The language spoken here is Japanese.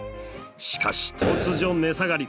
しかし突如値下がり。